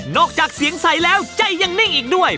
จากเสียงใสแล้วใจยังนิ่งอีกด้วย